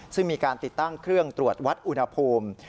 ซึ่งมีการติดตั้งเครื่องตรวจวัดอุณหภูมิ